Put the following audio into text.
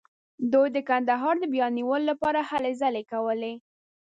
دوی د کندهار د بیا نیولو لپاره هلې ځلې کولې.